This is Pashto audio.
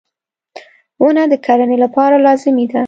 • ونه د کرنې لپاره لازمي ده.